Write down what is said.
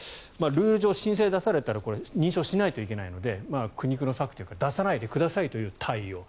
ルール上申請を出されたら認証しないといけないので苦肉の策というか出さないでくださいという対応。